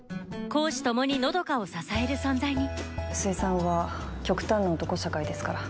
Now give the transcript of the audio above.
公私共に和佳を支える存在に水産は極端な男社会ですから。